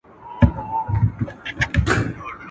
پر دوږخ باندي صراط او نري پلونه !.